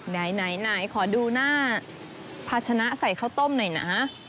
ไหนขอดูหน้าภาชนะใส่ข้าวต้มหน่อยนะ